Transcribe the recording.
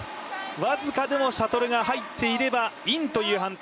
僅かでもシャトルが入っていれば、インという判定。